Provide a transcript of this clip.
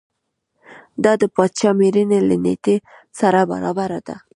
دا د پاچا مړینې له نېټې سره برابره ده.